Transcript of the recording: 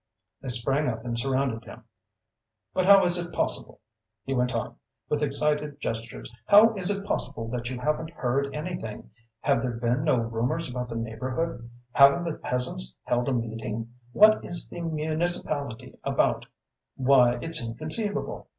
They sprang up and surrounded him. "But how is it possible?" he went on, with excited gestures "how is it possible that you haven't heard anything? Have there been no rumors about the neighborhood? Haven't the peasants held a meeting? What is the municipality about? Why, it's inconceivable!